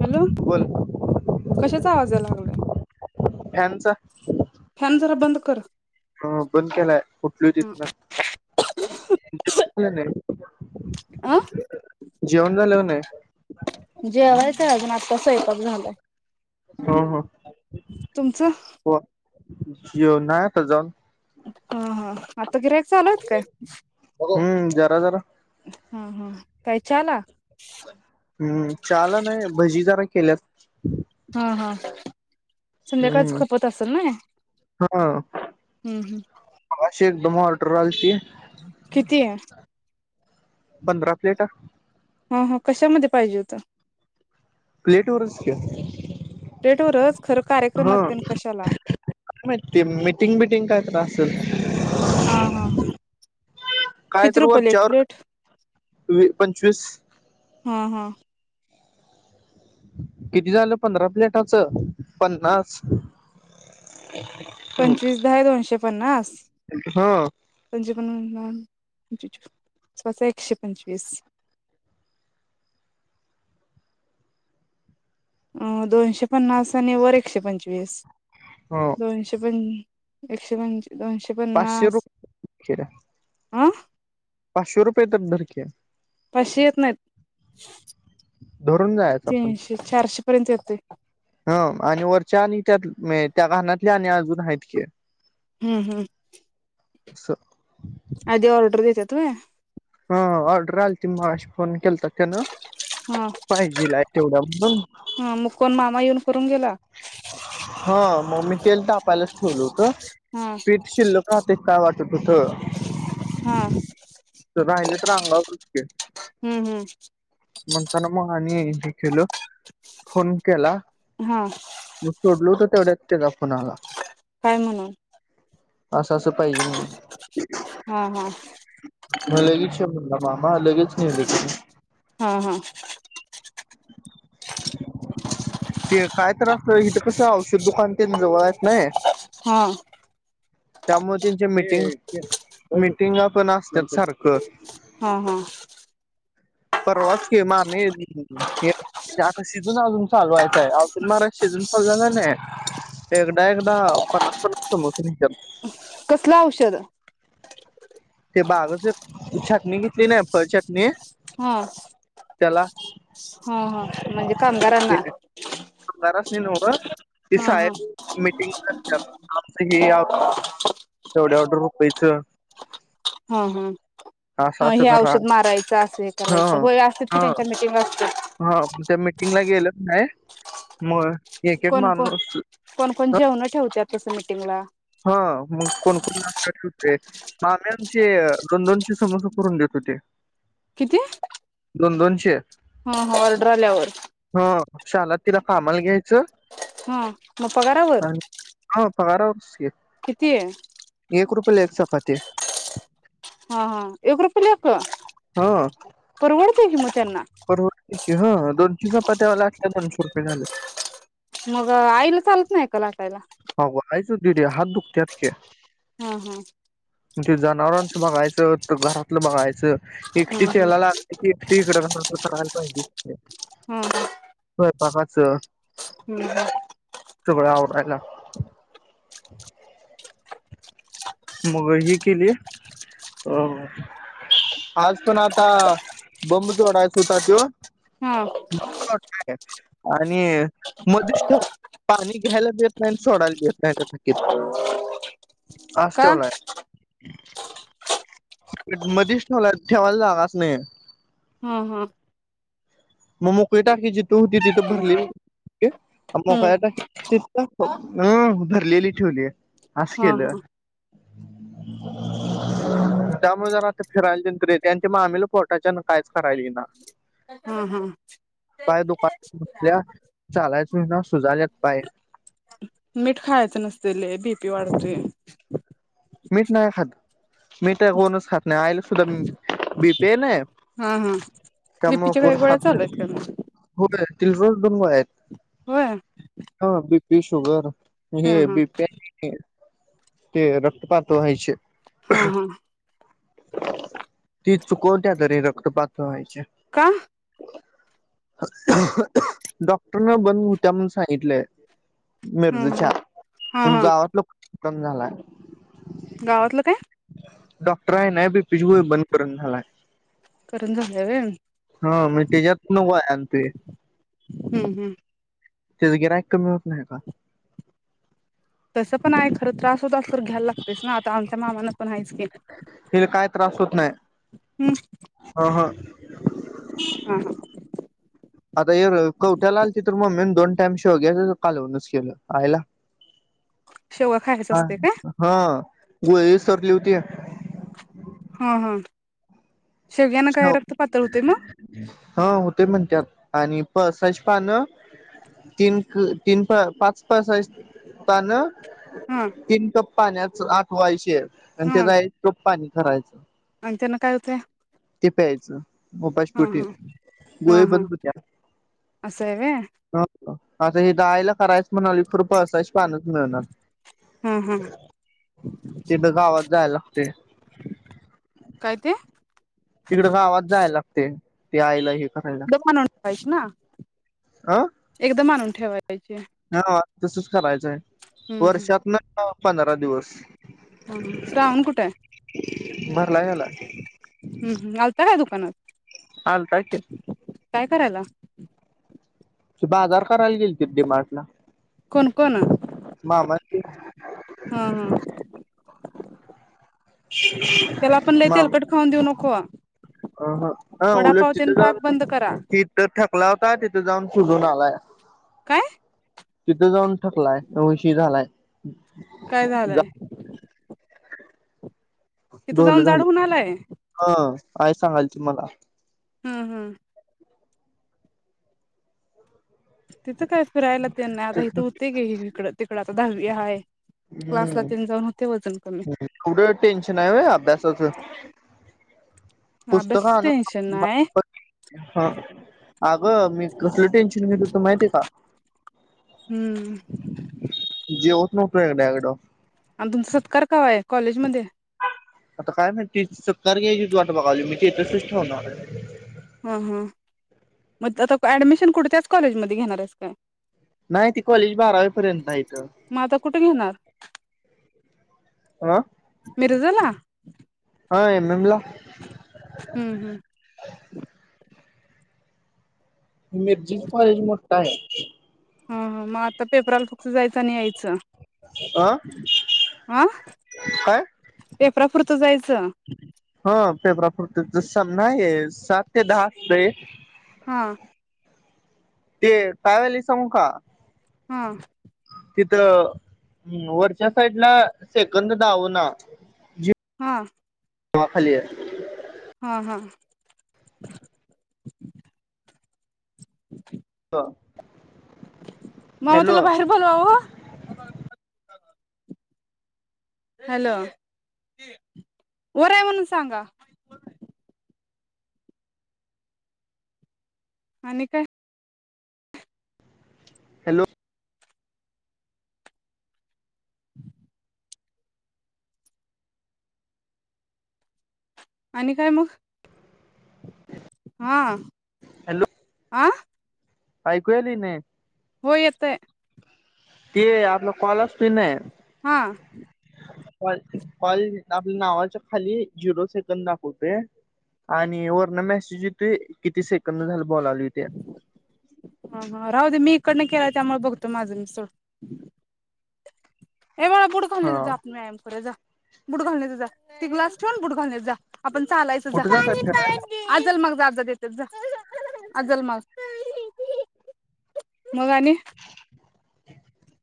Hello बोल कश्याचा आवाज यायला लागलय एवढा फॅनचा फॅन जरा बंद कर ह बंद केलाय उठलो तिथन अं जेवण झालं का नाही जेवायला अजून आत्ता सयपाक झालाय हं हं तुमचं हो जेवण नाय आता जाऊन हं हं आता गिऱ्हाईक चालू हायत काय? हम्म जरा जरा हं हं काय च्याला हम्म च्या ला नाय भजी जरा केल्यात [inaudible] हं हं संध्याकाळचं हम्म खपत असेल नाय हा हम्म एकदम ऑर्डर आलती किती हाय? पंधरा प्लेटं हा कशामध्ये पाहिजे होता? प्लेट वरच की प्लेटवरच खरं हा कार्यक्रमात तेन कशाला काय माहिती मिटिंग बिटिंग काय तर असल हा हा काय किती तर रुपयाला एक प्लेट वरच्यावर पंचवीस हा हा किती झालं पंधरा प्लेटाचं पन्नास ह पंचवीस दहा दोनशे पन्नास ह [inaudible] पाचा पाचा एकशे पंचवीस अ दोनशे पन्नास आणि वर एकशे पंचवीस दोनशे पण एकशे पंच दोनशे पाचशे रुपय हं पाचशो रुपये तर धरकी पाचशे येत नाहीत धरून जायच आपण तीनशे चारशे पर्यंत येत ह वरच्या आणि त्या त्या कानातल्या आणि अजून आहेत की हम्म हम्म स आधी ऑर्डर देत्यात वय हा ऑर्डर आलती मगाशी फोन केल तक्यान हा पाहिजे ला तेवढा हा मग कोण म्हणून मामा येऊन करून गेला हा मम्मी तेल तापायलाच ठेवलं होतं हा पीठ शिल्लक राहते काय वाटत तुथ हा राहिल तर रांगावरक हम्म हम्म म्हणताना मग आणि हे केलं फोन केला हा मग सोडलो होतो तेवढ्यात तेजा फोणाला- काय म्हणून अस अस पाहिजे म्हणून हा हा लगेच श मामा लगेच न्हेलेत हा हा ते काय तर असं इथं कसं औषध दुकान जवळ हायत नाही हा त्यामुळे त्यांच्या मिटिंग मिटिंगा पण आसत्यात सारखं ह ह परवाच के मामी आम्ही आता सीजन अजून चालवायचाय अजून सीजन चालू झाला नाही एकदा एकदा पन्नास, पन्नास समोस निघत्यात. कसलं औषध ते बागाच छाटणी घेतली की नई फळ छाटणी हा त्याला ह ह म्हणजे कामगारांना नोव हा हा हे आप तेवढ्या ऑर्डर होतायचं हम हम् ह हे करा औषध मारायचं असं हे ह करायचं होय असतेत की त्यांच्या मीटिंग असतेत. मिटींगला गेलं की नाही मग एक एक कोणक माणूस कोणकण जेवण ठेवत्यात तस मीटिंगला हा मग कोणकण नाश्ता ठेवते मामी आमची दोनडोशे समोस करून देत होती. किती दोन दोनशे हा हा ऑर्डर आल्यावर. ह शाला आत्तीला कामाल घ्यायचं. हा मग पगारावर शेप किती? पुले चपाती हा हा एक रुपयला एक क परवड ठीकये मद परवडतं की हा दोन ती चपात्या लाठल्या दोनशे रुपय झालं. मग आईला चालत नाही का लाटायला? अगं आईच दीदे हात दुखत्यात की हा हा ते जनावरांचं बघायचं त घरात तलं बघायचं. एकटी हा त्येला लागल की एकटी हिकड घरातलं कराय पाहिजेच की हा हा हा स्वयंपाकात च हम्म हम् सगळं आवरायला. मग ही केली, अ आज पण आता बंब जोडायच हुता त्यो हा [unintelligible] काय आणि मदिच ठेव पाणी घ्यायला बी येत नाय आणि सोडायला बी येत नाय त्या थकीत कास का ठेवलाय ते मदीच ठेवलाय ठेवायला जागच नई. हा हा मग मोकळी टाकी जिथ हुती तिथ भरले ली आन हम्म मोकल्या टाकीत [unintelligible] अ भरलेली ठिवली. आस हा केलं. हा त्यामुळे जरा आता फिरायलन तरी ते आणि ते मामीला पोटाच्यान कायच करायला इना. हा हा पाय दुका [unintelligible] त्या चालायच व्हूयना सुजाल्यात पाय मीठ खायचं नसते लय बीपी वाढती. मीठ नाही काय खात, मीठ कोणच खात नाही आईला सुद्धा बिपी आय नई. हा हा, बीपीच्या काय गोळ्या चालू आयत काय मग? तिल रोज दोन गोळ्या आयेत, होय हा बीपी, शुगर आणि हा हे हा बीपी ते ते रक् त पातळ व्हायचे, हा हा ती चुकवत्या तरी रक्त पातळ व्हायचे, का डॉक्टर न बंद हुत्या म्हणून सांगितलंय हा मिरजच्या हा हा हा गावात लोक ना झालाय. गावातलं काय? डॉक्टर आह नाय बीपी गोळी बंद करना झालाय. करण झालंय व्हय हा मी तेज्यात नको आय आन ते हम्म हम्म तेज गिरायक कमी होत नाही का? तसं पण आहे खरं त्रास होत अस तर घ्यायला लागतयचं ना, आता आमच्या मामाना पण आहेच की हिला काय त्रास होत नाही, हं ह ह हा हा आता कवठ्याला आल त तर मग ममींन दोन टाईम शेवग्याच्या कालवणनंच केलं. आईला शेवगा खायच हा असते काय हा वही सरली होती काय? हां हां हो हा बोल ते म्हणत्यात आणि पळसाची पानं, तिन तिन तिन पाच पाच आहेत पानं हा तीन कप पाण्यात आठवायचे आणि हा त्याचा आहे टोप पाणी करायचं आणि त्यांन काय होतंय. ते प्यायचं हा उपाशीपोटी हा हा गोळी हा बंद हुतीया. असं आहे व्हय आता हे दहायला करायचं म्हणाली कृप असाय पानचं मिळणात. हा हा तिथं गावात जायला लागतय. काय ते? तिकडे गावात जायला लागतय. ते आयला हे करायला गप्प म्हननं आहेत ना. एकदम आणून ठेवायद्यायचे. हा हा तसच करायच हाय वर्षातन पंधरा दिवस हा हा श्रावण कुठ हाय? भरला गेलाय. आलता काय दुकानात आलंता की काय करायलाव ती बाजार करायला गेलतीत डी मार्टला कोण कोण हा मामा न ती हा त्याला पण लई तेलकट मामा खाऊन देऊ नको अ हा उलट वडापावतेन पाक बंद करा. ठकला का तिथं जाऊन सोडून आलाय. काय तिथं जाऊन ठपलाय तो विषय झालाय. काय झालाय? तिथं जाऊन जाड हून आलाय? काय सांगायचं तुम्हाला. हम्म हम्म त्याचं काय? फिरायला तेन नाही आता इथं होते गेले इिकड तिकड आ धावी हाय क्लासला तेन जाऊन होते वजन कमी हम्म पुढ टेन्शन हाय होय अभ्यासाच? पुस्तक अभ्यासाच टेन्शन आणून नाही फक्त अ अगं मी कसलं टेन्शन घेत होतो माहित आहे का? [unintelligible] [unintelligible] आण तुमचा सत्कार कवा हाय कॉलेज मध्ये? आता काय माहिती सत्कार घ्यायचीच वाट बघालोय मी स्टेटसच ठेवणार हाय. हं हं मद आता ऍडमिशन कुठ त्याचं कॉलेजमध्ये घेणार आहेस काय? नाहीती कॉलेज बारावी पर्यंत हाय इथं. मग आता कुठे घेणार आ? मिरजला. हा एम एम ला. हं हं मिर्जी कॉलेज मोठ हाय. हा हा म आता पेपराल जायचं आणि यायचं अ हा. काय पेपरा फुरत जाय हा पेपरापुरता. सम नाही आहेस सात ते दहा असतंय. हा ते काय व्हायला सांगू का? हम. तिथ वरच्या साईडला सेकंद दावना जी हा. हवा खाली आहे. हा हा मामा तुला हॅलो बाहेर बोलवाव. हॅलो वर आहे म्हणून सांगा. आणि काय? हॅलो आणि काय मग? हा हॅलो आं? ऐकू यायला लागले का नाही? हो येतय. ते आपलं कॉल असतो हा कॉल कॉल आपल्या नावाच्या खाली झिरो सेकंद दाखवते आणि वर्ण मेसेज येते किती सेकंद झाला. बोलायलो ते हा हा राहू दे मी इकडन केलाय त्यामुळे बघतो माझं मी सोड ऐ बाळा बुडकली हा जात व्यायाम करा जा. बुट घालून येजा ती ग्लास ठेवून बुट घालून ये जा आपण चालायचं जा. कुठे जाताय फिरायला ेत अजलमाऊ [inaudible] मग आणि?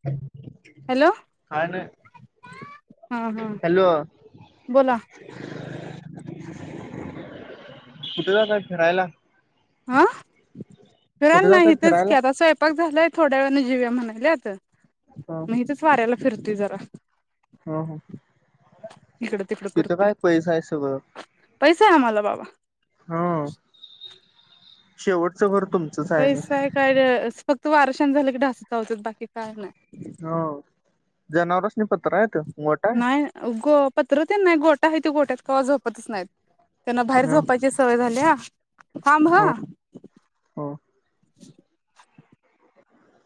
हम हॅलो हा हा हॅलो बोला कुठे जातंय फिरायला? आ? कुठे फिरायला नाही जाताय इथेच की फिरायला आता स्वयंपाक झालाय थोड्या वेळानी जेवूया म्हणायल्यात नाई हितच वाऱ्याला फिरतुय जरा ह-ह इकडं तिकडं तिथं करतोय काय पैसा हायं सगळं पैसा हायं आमाला बाबा हा शेवटचं भर पैसा हायं काय [unintelligible] तू वार शांत झाल कि ढासं चावत्यात बाकी काय नाय जनावरसनी पत्र हाईत. नाय उगो पत्र तेन नाय गो काय हायं ती गोठ्यात कवा झोपतच नायत. त्यांना बाहेर ह झोपायची सवय झाल्या [inaudible] थांब ह ह